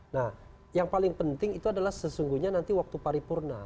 nah yang paling penting itu adalah sesungguhnya nanti waktu paripurna